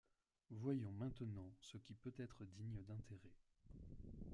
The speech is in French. Voyons maintenant ce qui peut être digne d'intérêt.